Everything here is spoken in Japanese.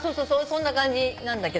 そんな感じなんだけど。